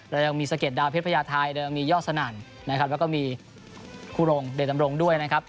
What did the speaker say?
เรายังมีสะเกดดาวเพศพระยาทายเรายังมียอสนั่นนะครับแล้วก็มีคู่โรงเดทัมโรงด้วยนะครับ